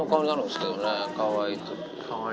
かわいい。